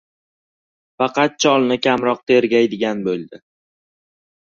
Faqat cholni kamroq tergaydigan boʻldi.